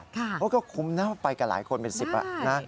เพราะก็คุ้มนับไปกับหลายคนเป็น๑๐บาท